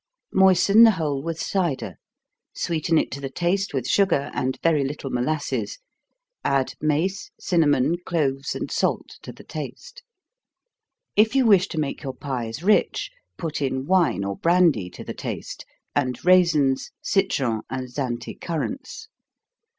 Moisten the whole with cider sweeten it to the taste with sugar, and very little molasses add mace, cinnamon, cloves, and salt, to the taste. If you wish to make your pies rich, put in wine or brandy to the taste, and raisins, citron, and Zante currants.